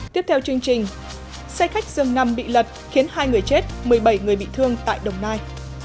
tiếp theo chương trình xe khách dường nằm bị lật khiến hai người chết một mươi bảy người bị thương tại đồng nai